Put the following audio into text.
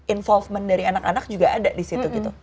involvement dari anak anak juga ada di situ gitu